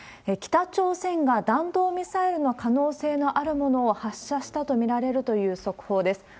北朝鮮が弾道ミサイルの可能性のあるものを発射したと見られるという速報です。